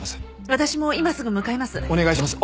私も今すぐ向かいます。